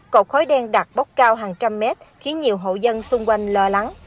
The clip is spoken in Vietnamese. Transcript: cột khối đen đặc bốc cao hàng trăm mét khiến nhiều hộ dân xung quanh lo lắng